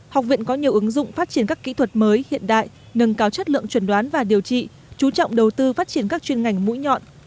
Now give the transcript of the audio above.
học viện có nhiều ứng dụng phát triển các kỹ thuật mới hiện đại nâng cao chất lượng chuẩn đoán và điều trị chú trọng đầu tư phát triển các chuyên ngành mũi nhọn